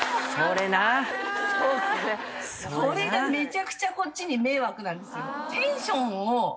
それがめちゃくちゃこっちに迷惑なんですよ・